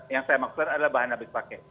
yang saya maksudkan adalah bahan habis pakai